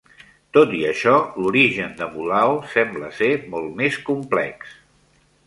Tot i això, l'origen de Mulao sembla ser molt més complex.